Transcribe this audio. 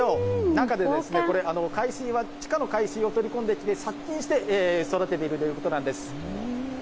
中でこれ、海水は地下の海水を取り込んできて、殺菌して育てているということなんです。